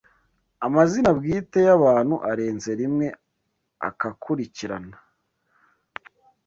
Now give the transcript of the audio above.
Amazina bwite y’abantu arenze rimwe akakurikirana